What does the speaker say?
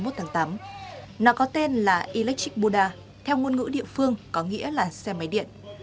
tháng tám nó có tên là electric buddha theo ngôn ngữ địa phương có nghĩa là xe máy điện